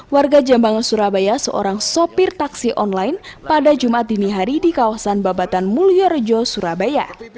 warga jambangan surabaya seorang sopir taksi online pada jumat dini hari di kawasan babatan mulyorejo surabaya